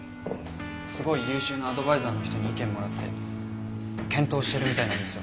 すごい優秀なアドバイザーの人に意見もらって検討してるみたいなんですよ。